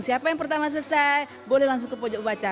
siapa yang pertama selesai boleh langsung ke pojok baca